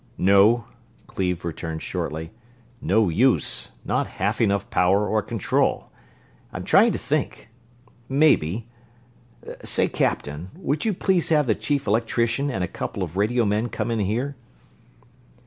"No," Cleve returned shortly. "No use not half enough power or control. I'm trying to think ... maybe ... say, Captain, will you please have the Chief Electrician and a couple of radio men come in here?"